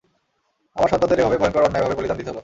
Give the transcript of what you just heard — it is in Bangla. আমার সন্তানদের এভাবে ভয়ঙ্কর অন্যায় ভাবে বলিদান দিতে হলো।